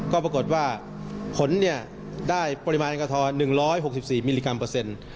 ก็ปรากฏว่าผลเนี่ยได้ปริมาณกระทอ๑๖๔มิลลิกรัมเปอร์เซ็นต์